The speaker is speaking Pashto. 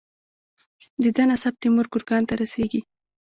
د ده نسب تیمور ګورکان ته رسیږي.